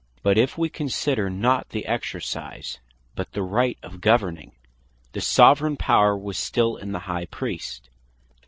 But if we consider not the Exercise, but the Right of governing, the Soveraign power was still in the High Priest.